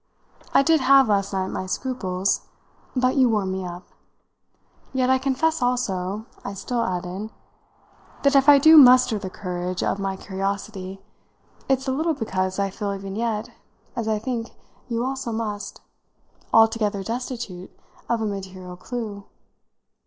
"I did have, last night, my scruples, but you warm me up. Yet I confess also," I still added, "that if I do muster the courage of my curiosity, it's a little because I feel even yet, as I think you also must, altogether destitute of a material clue.